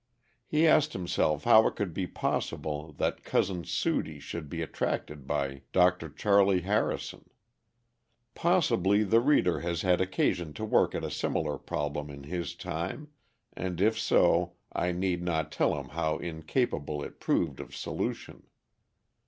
He asked himself how it could be possible that Cousin Sudie should be attracted by Dr. Charley Harrison. Possibly the reader has had occasion to work at a similar problem in his time, and if so I need not tell him how incapable it proved of solution.